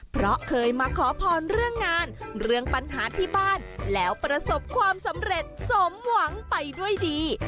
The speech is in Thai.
เพราะเคยมาขอพรเรื่องงานเรื่องปัญหาที่บ้านแล้วประสบความสำเร็จสมหวังไปด้วยดี